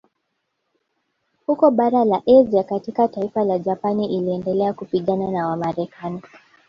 Huko bara la Asia katika taifa la Japani iliendelea kupigana na Wamarekani